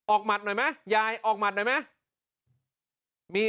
ออกมัดหน่อยมั้ยยายออกมัดหน่อยมั้ย